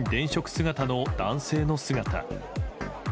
姿の男性の姿。